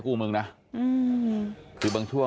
สวัสดีครับคุณผู้ชาย